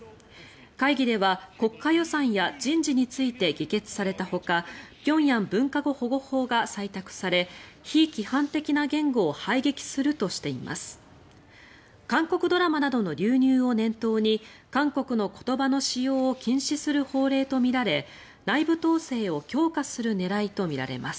会議では国家予算や人事について議決されたほか平壌文化語保護法が採択され非規範的な言語を排撃するとしています。